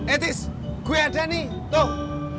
eh tish gue ada nih tuh